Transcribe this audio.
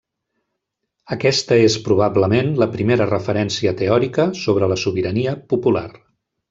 Aquesta és probablement la primera referència teòrica sobre la sobirania popular.